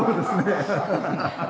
ハハハハ！